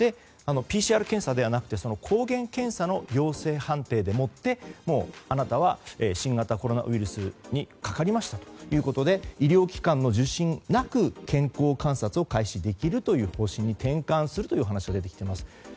ＰＣＲ検査ではなくて抗原検査の陽性判定でもってあなたは新型コロナウイルスにかかりましたということで医療機関の受診なく健康観察を開始できるという方針に転換するという話が出てきています。